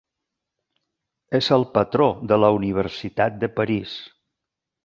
És el patró de la Universitat de París.